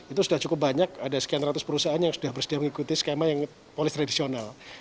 itu sudah cukup banyak ada sekian ratus perusahaan yang sudah bersedia mengikuti skema yang polis tradisional